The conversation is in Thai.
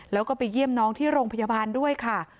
แล้วก็ไปเยี่ยมน้องที่โรงพยาบาลด้วยค่ะ